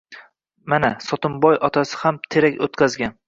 Mana, Sotimboyning otasi ham terak oʻtqazgan.